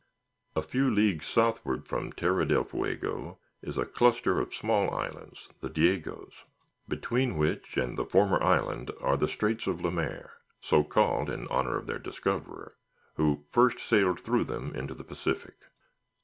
A few leagues southward from Terra del Fuego is a cluster of small islands, the Diegoes; between which and the former island are the Straits of Le Mair, so called in honor of their discoverer, who first sailed through them into the Pacific.